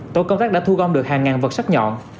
tổ công tác đã thu gom được hàng ngàn vật sắt nhọn